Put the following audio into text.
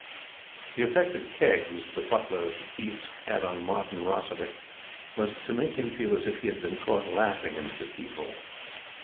The effect that Keggs, the butler at the Keiths', had on Martin Rossiter was to make him feel as if he had been caught laughing in a cathedral.